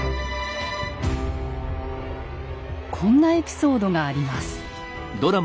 こんなエピソードがあります。